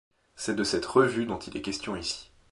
C'est de cette Revue dont il est question ici.